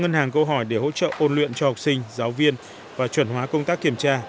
ngân hàng câu hỏi để hỗ trợ ôn luyện cho học sinh giáo viên và chuẩn hóa công tác kiểm tra